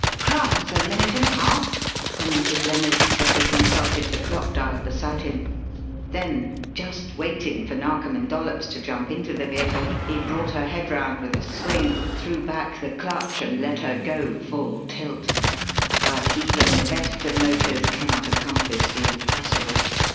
"Crumbs! A minute and a half!" commented Lennard, as he consulted the clock dial beside him; then, just waiting for Narkom and Dollops to jump into the vehicle, he brought her head round with a swing, threw back the clutch, and let her go full tilt. But even the best of motors cannot accomplish the impossible.